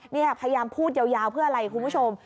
นี่พยายามพูดยาวเพื่ออะไรคุณผู้ชม